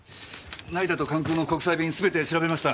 成田と関空の国際便すべて調べました。